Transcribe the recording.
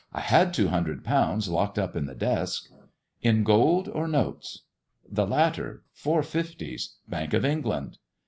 I had two hundred pounds locked up in the desk." " In gold or notes 1 "" The latter. Four fifties. Bank of England."